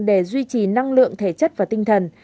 để duy trì năng lượng thể chất và tinh thần